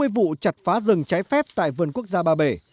hai mươi vụ chặt phá rừng trái phép tại vườn quốc gia ba bể